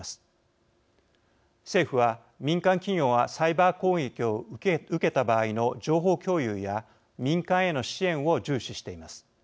政府は民間企業がサイバー攻撃を受けた場合の情報共有や民間への支援を重視しています。